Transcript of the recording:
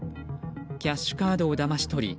キャッシュカードをだまし取り